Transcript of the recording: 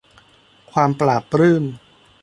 ความปลาบปลื้ม